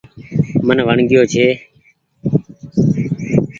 من وڻگيو ڇي۔